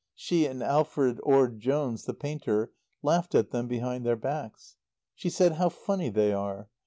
She and Alfred Orde Jones, the painter, laughed at them behind their backs. She said "How funny they are!